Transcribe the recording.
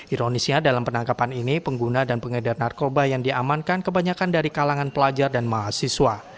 ironisnya dalam penangkapan ini pengguna dan pengedar narkoba yang diamankan kebanyakan dari kalangan pelajar dan mahasiswa